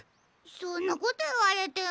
そんなこといわれても。